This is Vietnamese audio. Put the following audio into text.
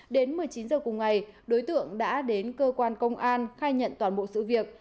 đến một mươi chín h cùng ngày đối tượng đã đến cơ quan công an khai nhận toàn bộ sự việc